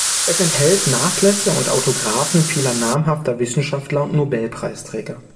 Es enthält Nachlässe und Autographen vieler namhafter Wissenschaftler und Nobelpreisträger.